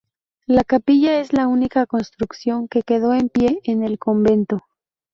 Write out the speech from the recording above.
La capilla es la única construcción que quedó en pie en el convento.